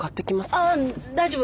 あ大丈夫。